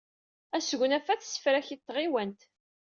Asegnaf-a tessefrak-it tɣiwant.